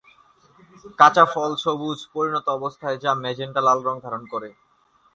কাঁচা ফল সবুজ, পরিণত অবস্থায় যা ম্যাজেন্টা লাল-রং ধারণ করে।